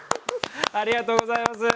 ありがとうございます。